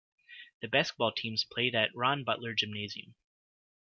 The basketball teams play at Ron Butler Gymnasium.